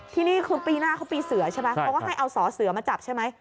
ที่นี่คือปีหน้าเขาปีเสือใช่ไหมเขาก็ให้เอาสอเสือมาจับใช่ไหม